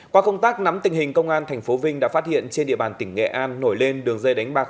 qua công tác nắm tình hình công an tp vinh đã phát hiện trên địa bàn tỉnh nghệ an nổi lên đường dây đánh bạc